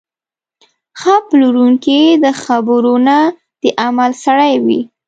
ښه پلورونکی د خبرو نه، د عمل سړی وي.